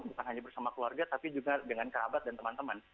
bukan hanya bersama keluarga tapi juga dengan kerabat dan teman teman